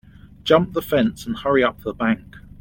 Jump the fence and hurry up the bank.